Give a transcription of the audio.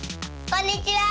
こんにちは。